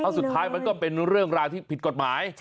สุดท้ายมันก็เป็นเรื่องราวที่ผิดกฎหมาย